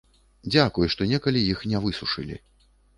Дзякуй, што некалі іх не высушылі.